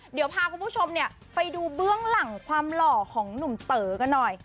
เดี๋ยวพาคุณผู้ชมเนี่ยไปดูเบื้องหลังความหล่อของหนุ่มเต๋อกันหน่อย